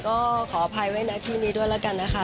ก็ขออภัยไว้ในที่นี้ด้วยแล้วกันนะคะ